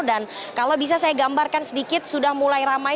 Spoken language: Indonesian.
dan kalau bisa saya gambarkan sedikit sudah mulai ramai